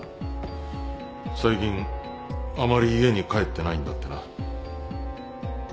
最近あまり家に帰ってないんだってな。